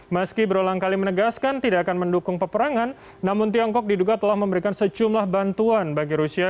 meski berulang kali menegaskan tidak akan mendukung peperangan namun tiongkok diduga telah memberikan sejumlah bantuan bagi rusia